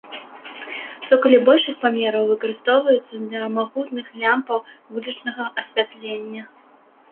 Цокалі большых памераў выкарыстоўваюцца для магутных лямпаў вулічнага асвятлення.